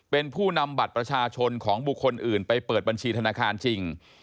เป็นผู้นำบัตรประชาชนของบุคคลอื่นไปเปิดบัญชีธนาคารจริง